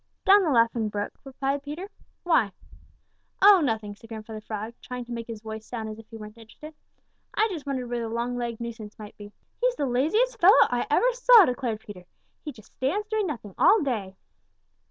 "Down the Laughing Brook," replied Peter. "Why?" "Oh, nothing," said Grandfather Frog, trying to make his voice sound as if he weren't interested. "I just wondered where the long legged nuisance might be." "He's the laziest fellow I ever saw," declared Peter. "He just stands doing nothing all day."